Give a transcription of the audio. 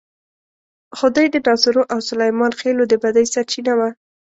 خدۍ د ناصرو او سلیمان خېلو د بدۍ سرچینه وه.